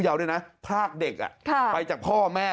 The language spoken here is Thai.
อาวาสมีการฝังมุกอาวาสมีการฝังมุกอาวาสมีการฝังมุก